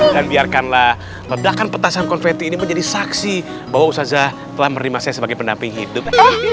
dan biarkanlah ledakan petasan konfetin ini menjadi saksi bahwa ustazah telah menerima saya sebagai pendamping hidup